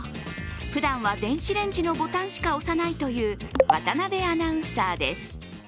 ふだんは電子レンジのボタンしか押さないという渡部アナウンサーです。